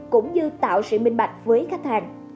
cũng như tạo sự minh bạch với khách hàng